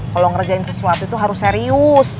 kalau ngerjain sesuatu itu harus serius